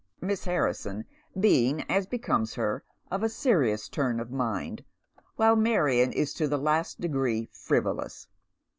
Miss Harrison being, as becomes her, of a serious turn of mind, while Marion is to the last degree frivolous.